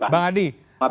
baik bang adi